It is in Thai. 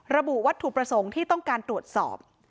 ระบุวัตถุประสงค์ที่ต้องการตรวจสอบ